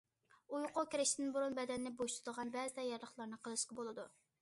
ئۇيقۇغا كىرىشتىن بۇرۇن بەدەننى بوشىتىدىغان بەزى تەييارلىقلارنى قىلىشقا بولىدۇ.